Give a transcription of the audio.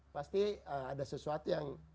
pasti ada sesuatu yang